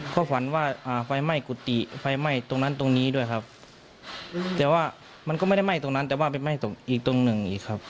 ก็ฝันว่าอ่าไฟไหม้กุฏิไฟไหม้ตรงนั้นตรงนี้ด้วยครับแต่ว่ามันก็ไม่ได้ไหม้ตรงนั้นแต่ว่าไปไหม้ตรงอีกตรงหนึ่งอีกครับ